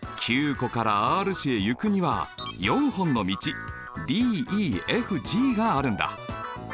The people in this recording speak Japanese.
湖からＲ市へ行くには４本の道ｄｅｆｇがあるんだ。